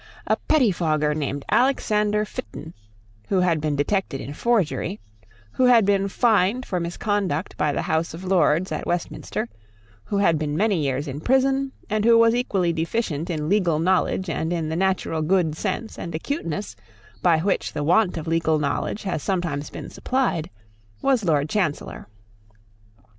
A pettifogger named Alexander Fitton, who had been detected in forgery, who had been fined for misconduct by the House of Lords at Westminster, who had been many years in prison, and who was equally deficient in legal knowledge and in the natural good sense and acuteness by which the want of legal knowledge has sometimes been supplied, was Lord Chancellor.